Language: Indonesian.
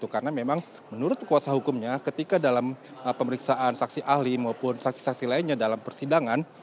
karena memang menurut kuasa hukumnya ketika dalam pemeriksaan saksi ahli maupun saksi saksi lainnya dalam persidangan